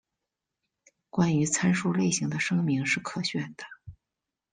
关于参数类型的声明是可选的。